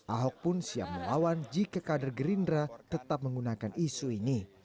ahok pun siap melawan jika kader gerindra tetap menggunakan isu ini